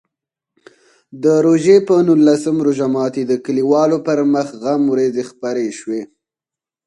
د روژې په نولسم روژه ماتي د کلیوالو پر مخ غم وریځې خپرې شوې.